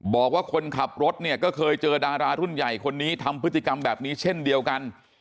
บอกว่าคนขับรถเนี่ยก็เคยเจอดารารุ่นใหญ่คนนี้ทำพฤติกรรมแบบนี้เช่นเดียวกัน